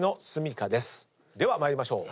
では参りましょう。